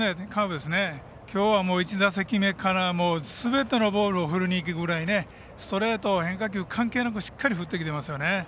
きょうは、１打席目からすべてのボールを振りにいくというぐらいストレート、変化球関係なく振ってきてますね。